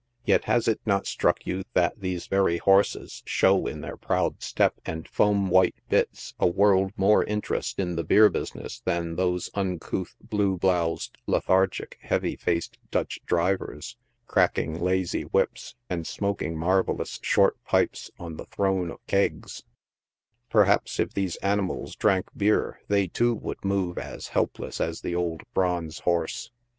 Yet has it not struck you that these very horses show in their proud step and foam white bits a world more interest in the beer business than those uncouth, blue bloused, lethargic, heavy faced, Dutch drivers, cracking lazy whips and smoking marvellous short pipes on the throne of kegs— perhaps if these animals drank beer they too would move as helpless as the old " bronze horse."